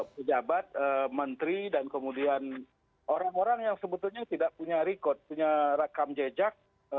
pejabat menteri dan kemudian orang orang yang sebetulnya tidak punya record punya rekam jejak